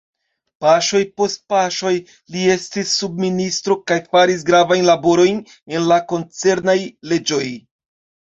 Paŝoj post paŝoj li estis subministro kaj faris gravajn laborojn en la koncernaj leĝoj.